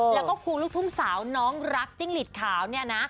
แล้วก็ครูลูกทุ่งสาวน้องรักจิ้งหลีดขาวเนี่ยนะ